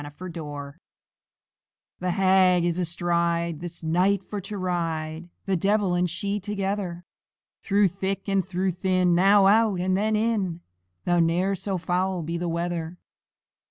THE HAG The Hag is astride, This night for to ride, The devil and she together; Through thick and through thin, Now out, and then in, Though ne'er so foul be the weather.